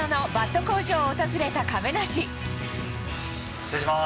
失礼します。